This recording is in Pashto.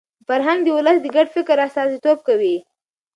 فرهنګ د ولس د ګډ فکر استازیتوب کوي.